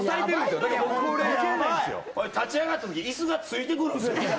立ち上がったとき椅子がついてくるんですよ。